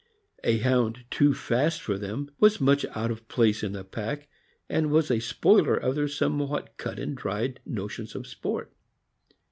A Hound too fast for them was much out of place in the pack, and was a spoiler of their somewhat cut and dried notions of sport.